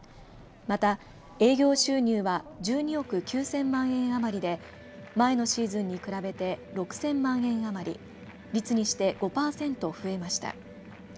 また、営業収入は１２億９０００万円余りで前のシーズンに比べて６０００万円余り率にして５パーセント増えました。